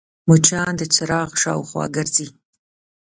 مچان د څراغ شاوخوا ګرځي